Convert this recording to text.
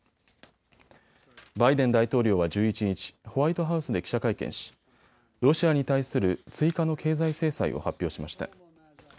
バイデン大統領は１１日、ホワイトハウスで記者会見しロシアに対する追加の経済制裁を発表しました。